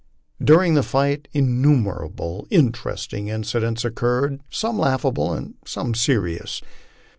During the fight innumerable interesting incidents occurred, eome laughable and some serious.